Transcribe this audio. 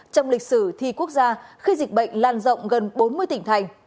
trong lịch sử thi quốc gia khi dịch bệnh lan rộng gần bốn mươi tỉnh thành